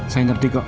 saya ngerti kok